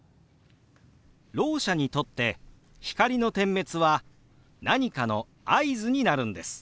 ろう者にとって光の点滅は何かの合図になるんです。